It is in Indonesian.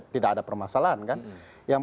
tidak ada permasalahan kan yang